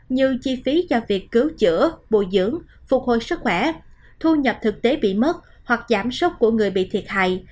như chi phí cho việc cứu chữa bồi dưỡng phục hồi sức khỏe thu nhập thực tế bị mất hoặc giảm sốc của người bị thiệt hại